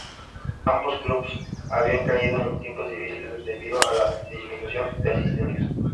Ambos clubes habían caído en tiempos difíciles debido a la disminución de asistencias.